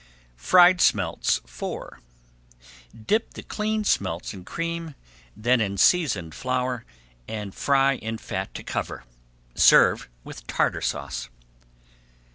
FRIED SMELTS IV Dip the cleaned smelts in cream, then in seasoned flour, and fry in fat to cover. Serve with Tartar Sauce.